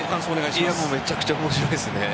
めちゃくちゃ面白いですね。